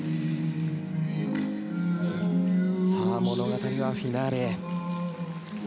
物語はフィナーレへ。